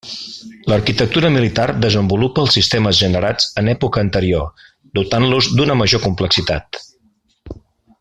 L'arquitectura militar desenvolupa els sistemes generats en època anterior, dotant-los d'una major complexitat.